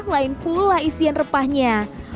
lain pula isian repahnya